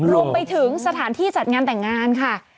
รวมไปถึงสถานที่จัดงานแต่งงานค่ะ